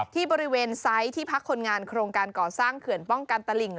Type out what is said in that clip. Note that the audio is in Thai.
ที่บริเวณไซส์ที่พักคนงานโครงการก่อสร้างเขื่อนป้องกันตลิ่ง